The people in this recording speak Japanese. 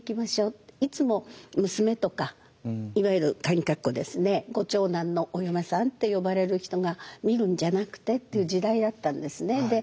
いつも娘とかいわゆるカギカッコですねご長男のお嫁さんって呼ばれる人が見るんじゃなくてっていう時代だったんですね。